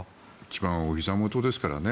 一番おひざ元ですからね。